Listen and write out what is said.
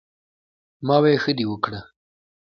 " ـ ما وې " ښۀ دې وکړۀ " ـ